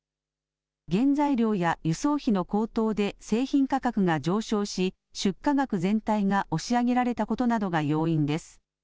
原材料や輸送費の高騰で製品価格が上昇し、出荷額全体が押し上げられたことなどが要因です。